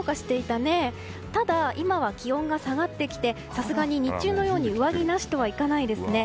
ただ、今は気温が下がってきてさすがに日中のように上着なしとはいかないですね。